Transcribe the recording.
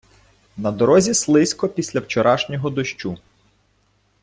На дорозі слизько після вчорашнього дощу.